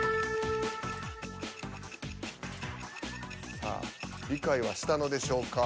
さあ理解はしたのでしょうか。